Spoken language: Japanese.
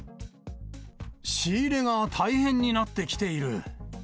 仕入れが大変になってきている。